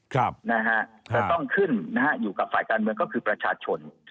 จะต้องขึ้นนะฮะอยู่กับฝ่ายการเมืองก็คือประชาชน